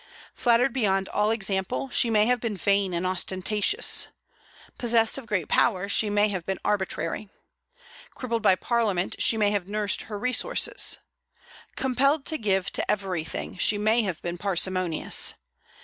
Flattered beyond all example, she may have been vain and ostentatious. Possessed of great powers, she may have been arbitrary. Crippled by Parliament, she may have nursed her resources. Compelled to give to everything, she may have been parsimonious.